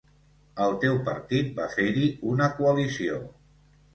El teu partit va fer-hi una coalició.